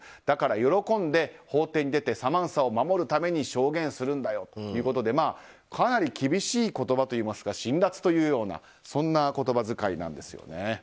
だから喜んで法廷に出てサマンサを守るために証言するんだよということでかなり厳しい言葉といいますか辛辣というようなそんな言葉使いですね。